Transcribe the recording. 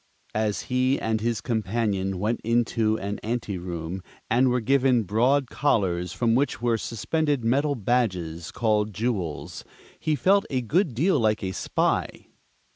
As he and his companion went into an anteroom and were given broad collars from which were suspended metal badges called "jewels," he felt a good deal like a spy.